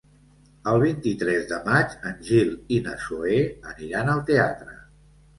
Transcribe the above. El vint-i-tres de maig en Gil i na Zoè aniran al teatre.